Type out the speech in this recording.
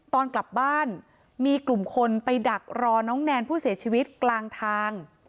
ตอนกลับบ้านมีกลุ่มคนไปดักรอน้องแนนผู้เสียชีวิตกลางทาง